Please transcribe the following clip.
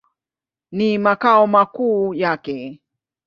Ni makao makuu yake.